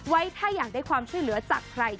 ถ้าอยากได้ความช่วยเหลือจากใคร